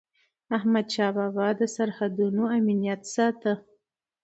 احمدشاه بابا به د سرحدونو امنیت ساته.